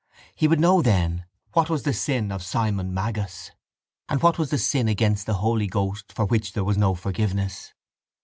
He would know then what was the sin of Simon Magus and what the sin against the Holy Ghost for which there was no forgiveness.